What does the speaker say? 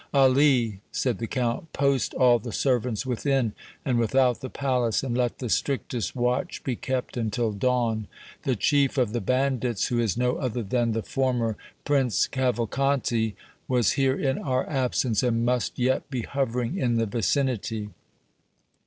"Ali," said the Count, "post all the servants within and without the palace, and let the strictest watch be kept until dawn. The chief of the bandits, who is no other than the former Prince Cavalcanti, was here in our absence and must yet be hovering in the vicinity.